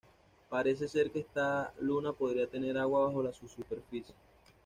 Parece ser que esta luna podría tener agua bajo su superficie.